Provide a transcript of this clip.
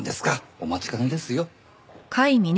お待ちかねですよ。